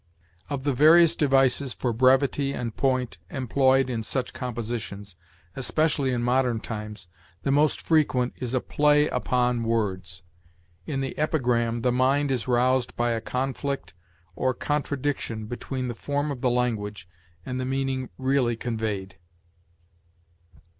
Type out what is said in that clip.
Of the various devices for brevity and point employed in such compositions, especially in modern times, the most frequent is a play upon words.... In the epigram the mind is roused by a conflict or contradiction between the form of the language and the meaning really conveyed."